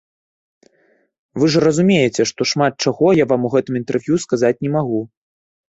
Вы ж разумееце, што шмат чаго я вам у гэтым інтэрв'ю сказаць не магу.